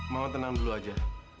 mama tenang dulu aja